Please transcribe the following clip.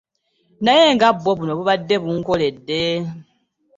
Naye nga bwo bunno bubaddde bunkoledde .